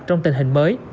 trong tình hình mới